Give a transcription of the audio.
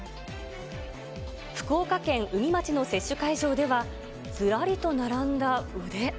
福岡県宇美町の接種会場では、ずらりと並んだ腕。